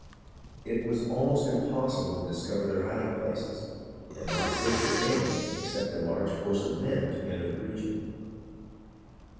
It was almost impossible to discover their hiding places and not safe for any, except a large force of men, to enter the region.